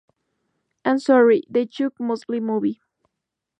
And Sorry: The Chuck Mosley Movie".